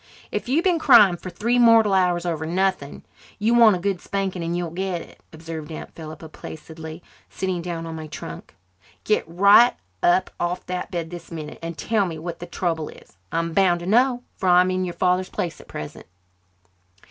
"If you've been crying for three mortal hours over nothing you want a good spanking and you'll get it," observed Aunt Philippa placidly, sitting down on my trunk. "Get right up off that bed this minute and tell me what the trouble is. I'm bound to know, for I'm in your father's place at present."